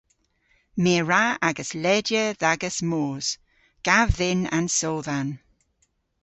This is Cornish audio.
My a wra agas ledya dh'agas moos. Gav dhyn an sowdhan.